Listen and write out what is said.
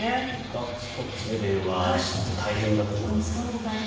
あちこちに電話して大変だったと思いますが。